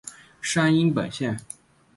山阴本线。